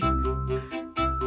kaki ayah juga patah